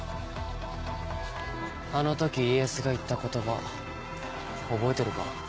あの時家康が言った言葉覚えてるか？